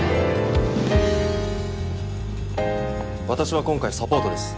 私は今回サポートです。